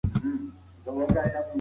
سړی به ارام شوی وي.